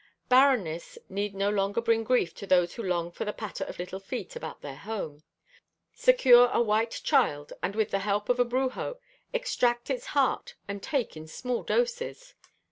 Barrenness need no longer bring grief to those who long for the patter of little feet about their home. Secure a white child and with the help of a brujo extract its heart and take in small doses!!